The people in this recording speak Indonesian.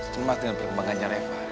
cemas dengan perkembangannya reva